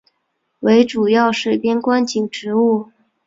为主要水边观景植物。